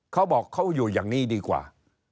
เขาบอกเขาอยู่อย่างนี้ดีกว่า